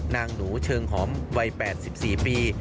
นางหนูเชิงหอมวัย๘๔ปี